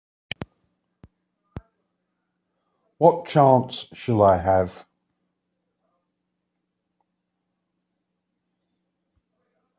What chance shall I have?